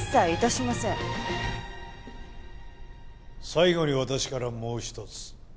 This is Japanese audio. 最後に私からもう一つ。